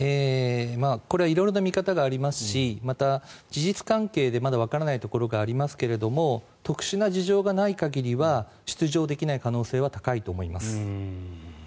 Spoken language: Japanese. これは色々と見方がありますしまた、事実関係でまだわからないところがありますけれども特殊な事情がない限りは出場できない可能性は高いと思います。